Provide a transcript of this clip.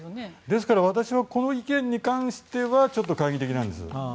ですから私はこの意見に関してはちょっと懐疑的なんです。